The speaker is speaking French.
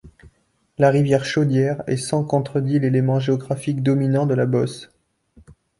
La rivière Chaudière est sans contredit l'élément géographique dominant de la Beauce.